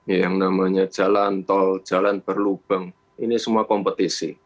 ya yang namanya jalan tol jalan berlubang ini semua kompetisi